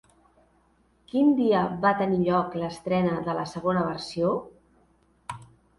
Quin dia va tenir lloc l'estrena de la segona versió?